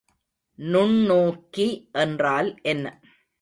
நுண்ணோக்கி என்றால் என்ன?